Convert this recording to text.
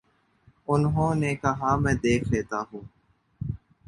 انہوں نے کہا: میں دیکھ لیتا ہوں۔